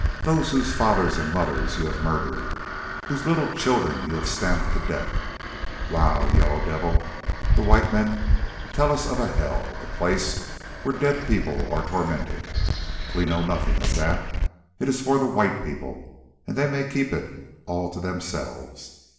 They, whose fathers and mothers you have murdered, whose little children you have stamped to death? Wow! Yellow Devil, the white men tell us of a hell, a place where dead people are tormented. We know nothing of that, it is for the white people, and they may keep it all to themselves.